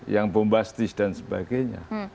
yang bombastis dan sebagainya